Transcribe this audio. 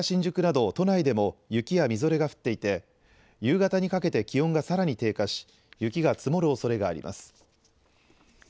渋谷や新宿など都内でも雪やみぞれが降っていて夕方にかけて気温がさらに低下し雪が積もるおそれがあります。